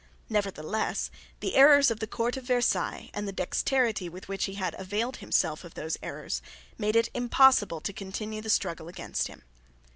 Nevertheless the errors of the court of Versailles, and the dexterity with which he had availed himself of those errors, made it impossible to continue the struggle against him.